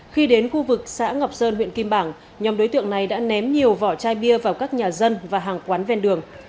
khi đến khu vực xã ngọc sơn huyện kim bảng nhóm đối tượng này đã ném nhiều vỏ chai bia vào các nhà dân và hàng quán ven đường